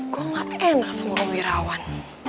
gue gak enak sama wirawan